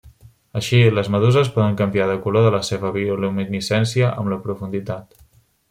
Així, les meduses poden canviar el color de la seva bioluminescència amb la profunditat.